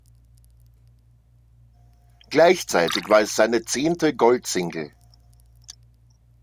Gleichzeitig war es seine zehnte Gold-Single.